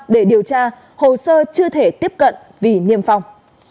để điều tra hồ sơ chưa thể tiếp cận vì niêm phong